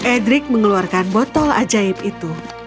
edric mengeluarkan botol ajaib itu